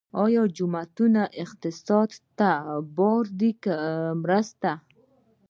آیا جوماتونه اقتصاد ته بار دي که مرسته؟